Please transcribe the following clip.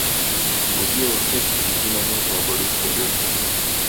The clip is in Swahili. ujio wa pep ulizima moto wa borusia dortmund